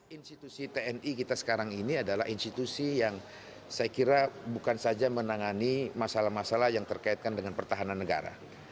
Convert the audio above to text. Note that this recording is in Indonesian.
institusi tni kita sekarang ini adalah institusi yang saya kira bukan saja menangani masalah masalah yang terkaitkan dengan pertahanan negara